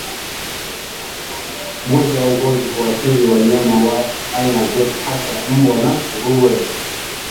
Ugonjwa wa ngozi huathiri wanyama wa aina zote hasa mbwa na nguruwe